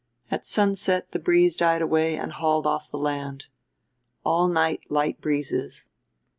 At sunset the breeze died away and hauled off the land. All night light breezes.